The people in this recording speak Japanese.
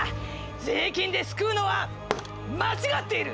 税金で救うのは間違っている！